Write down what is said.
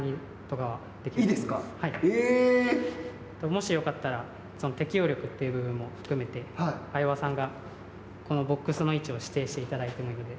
もしよかったら、適応力という部分も含めて、相葉さんが、このボックスの位置を指定していただいてもいいので。